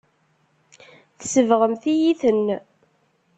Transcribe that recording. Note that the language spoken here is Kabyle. Tsebɣemt-iyi-ten.